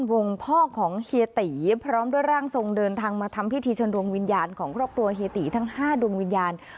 วงพ่อของเฮียตีพร้อมด้วยร่างทรงเดินทางมาทำพิธีเชิญดวงวิญญาณของครอบครัวเฮียตีทั้ง๕ดวงวิญญาณ